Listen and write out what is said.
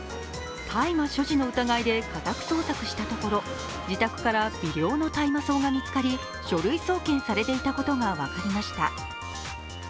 大麻所持の疑いで家宅捜索したところ、自宅から微量の大麻草が見つかり書類送検されていたことが分かりました。